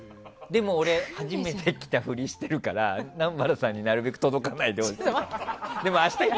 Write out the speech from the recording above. でも俺、初めて来たふりしているから南原さんになるべく届かないように。